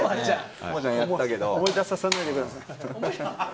思い出させないでください。